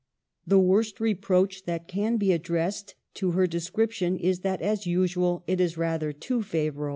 The worst re proach that can be addressed to her description is that, as usual, it is rather too favorable.